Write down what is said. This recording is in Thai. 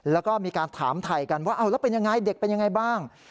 แล้วก็มีการถามไถ่กันว่าแล้วเป็นอย่างไรเด็กเป็นอย่างไรบ้าง